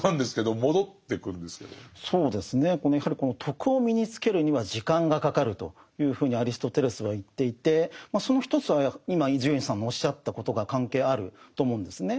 そうですねやはりこの「徳」を身につけるには時間がかかるというふうにアリストテレスは言っていてその一つは今伊集院さんのおっしゃったことが関係あると思うんですね。